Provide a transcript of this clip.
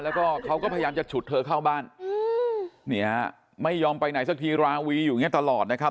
แล้วก็เขาก็พยายามจะฉุดเธอเข้าบ้านไม่ยอมไปไหนสักทีราวีอยู่อย่างเงี้ตลอดนะครับ